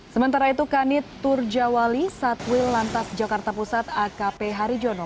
sementara itu kanit turjawali satwil lantas jakarta pusat akp harijono